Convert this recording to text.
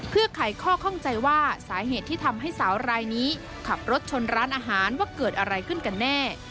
เพื่อไขข้อข้องใจว่าสาเหตุที่ทำให้สาวรายนี้ขับรถชนร้านอาหารว่าเกิดอะไรขึ้นกันแน่